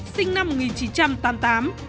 sinh năm một nghìn chín trăm tám mươi tám